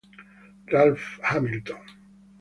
Ralph Hamilton